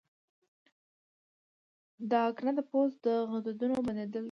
د اکنه د پوست غدودونو بندېدل دي.